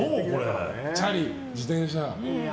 チャリ、自転車。